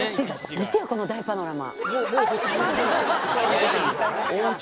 見てよ、この大パノラマ。